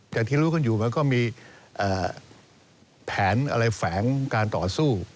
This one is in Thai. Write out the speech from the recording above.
ที่รู้กันอยู่มันก็มีแผนอะไรแฝงการต่อสู้